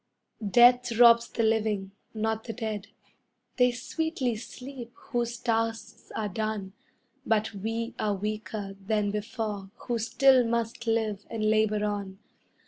] Death robs the living, not the dead they sweetly sleep whose tasks are done; But we are weaker than before who still must live and labor on.